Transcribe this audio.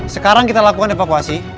sekarang kita lakukan evakuasi